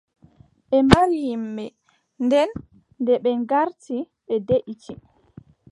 Ɓe mbari yimɓe. Nden, nde ɓen garti ɓe deʼiti.